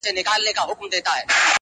بېګا خوب وینمه تاج پر سر باچا یم،